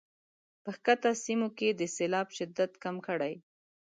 په ښکته سیمو کې د سیلاب شدت کم کړي.